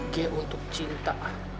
g untuk cinta